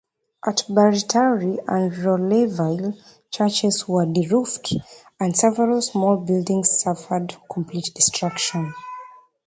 At Barritarri and Rolleville, churches were deroofed and several small buildings suffered complete destruction.